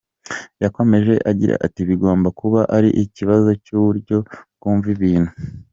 Yakomeje agira ati “Bigomba kuba ari ikibazo cy’uburyo mwumva ibintu.